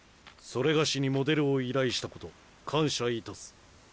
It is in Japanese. それがしにモデルを依頼したこと感謝いたす。